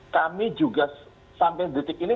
kami juga sampai detik ini